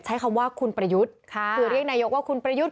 ใช้คำว่าคุณประยุทธ์คือเรียกนายกว่าคุณประยุทธ์